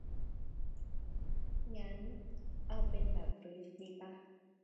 งั้น เอาเป็นแบบฟรีซดีป่ะ